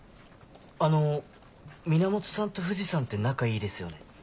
あの源さんと藤さんって仲いいですよね？